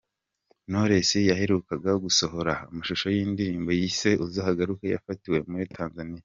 Knowless yaherukaga gusohora amashusho y’indirimbo yise "Uzagaruke" yafatiwe muri Tanzania.